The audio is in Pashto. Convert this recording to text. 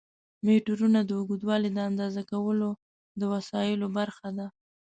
میټرونه د اوږدوالي د اندازه کولو د وسایلو برخه ده.